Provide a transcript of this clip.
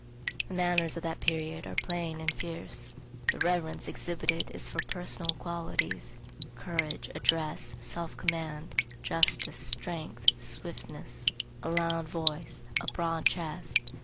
The manners of that period are plain and fierce. The reverence exhibited is for personal qualities; courage, address, self command, justice, strength, swiftness, a loud voice, a broad chest.